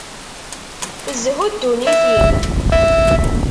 Zhu dunnit-im.